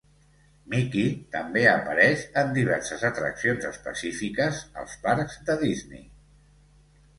Mickey també apareix en diverses atraccions específiques als parcs de Disney.